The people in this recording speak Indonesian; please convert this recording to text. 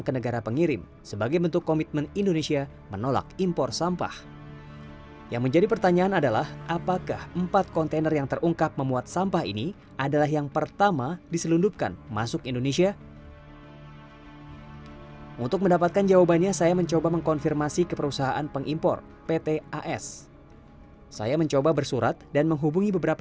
kertas bekas ini tidak hanya memiliki kertas bekas tetapi juga memiliki kertas yang berbeda